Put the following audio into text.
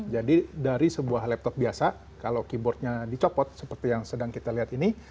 jadi dari sebuah laptop biasa kalau keyboardnya dicopot seperti yang sedang kita lihat ini